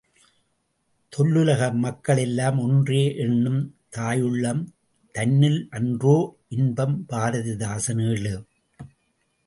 தொல்லுலக மக்க ளெல்லாம் ஒன்றே என்னும் தாயுள்ளம் தன்னி லன்றோ இன்பம் பாரதிதாசன் ஏழு.